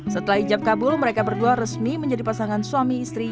setelah jabkabul mereka berdua resmi menjadi pasangan suami istri